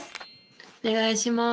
お願いします。